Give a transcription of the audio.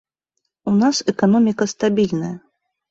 У нас эканоміка стабільная.